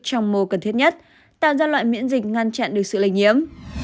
trong mô cần thiết nhất tạo ra loại miễn dịch ngăn chặn được sự lây nhiễm